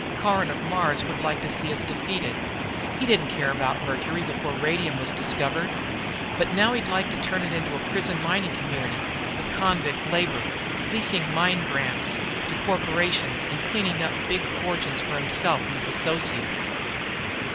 "Caron of Mars would like to see us defeated. He didn't care about Mercury before radium was discovered. But now he'd like to turn it into a prison mining community, with convict labor, leasing mine grants to corporations and cleaning up big fortunes for himself and his associates.